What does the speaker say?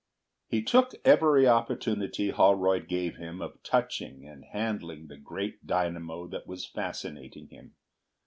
He took every opportunity Holroyd gave him of touching and handling the great dynamo that was fascinating him.